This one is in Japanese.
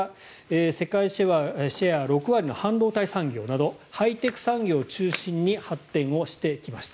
世界シェア６割の半導体産業などハイテク産業を中心に発展をしてきました。